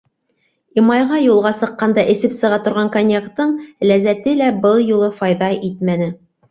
Имайға юлға сыҡҡанда эсеп сыға торған коньяктың ләззәте лә был юлы файҙа итмәне.